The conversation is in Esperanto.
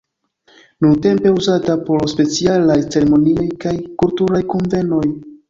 Nuntempe uzata por specialaj ceremonioj kaj kulturaj kunvenoj.